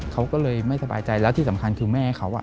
เขาก็เลยไม่สบายใจแล้วที่สำคัญคือแม่เขาอ่ะ